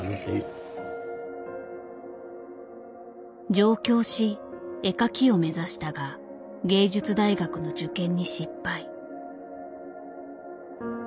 上京し絵描きを目指したが芸術大学の受験に失敗。